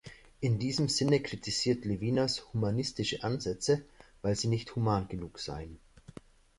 In diesem Sinne kritisiert Levinas „humanistische“ Ansätze, weil sie „nicht human genug“ seien.